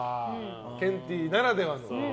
ケンティーならではの。